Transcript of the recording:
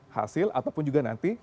hasil ataupun juga nanti